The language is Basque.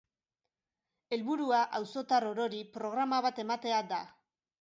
Helburua auzotar orori programa bat ematea da.